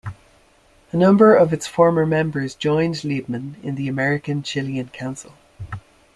A number of its former members joined Liebman in the American-Chilean Council.